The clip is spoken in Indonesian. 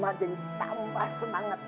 mak jadi tambah semangat